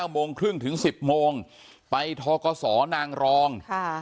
โมงครึ่งถึง๑๐โมงไปทกศนางรอง